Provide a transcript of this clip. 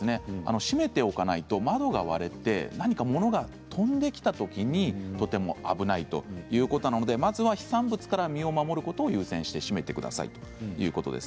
閉めておかないと、窓が割れて何か物が飛んできたときにとても危ないということなのでまずは飛散物から身を守ることを優先して閉めてくださいということです。